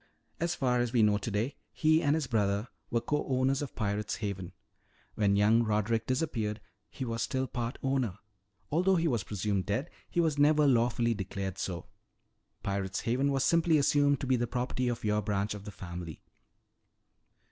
As far as we know today, he and his brother were co owners of Pirate's Haven. When young Roderick disappeared, he was still part owner. Although he was presumed dead, he was never lawfully declared so. Pirate's Haven was simply assumed to be the property of your branch of the family."